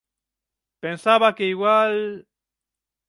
Pensaba que igual...